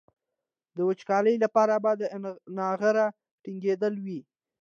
د وچکالۍ لپاره به دا نغاره ډنګېدلي وي.